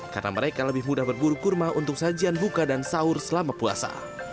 karena mereka lebih mudah berburu kurma untuk sajian buka dan sahur selama puasa